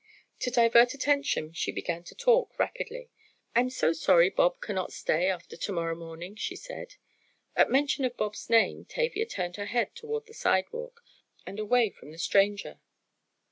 To divert attention she began to talk rapidly. "I'm so sorry Bob cannot stay after to morrow morning," she said. At mention of Bob's name Tavia turned her head toward the sidewalk, and away from the stranger.